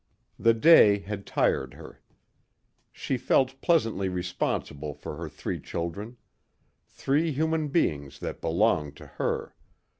The day had tired her. She felt pleasantly responsible for her three children. Three human beings that belonged to her.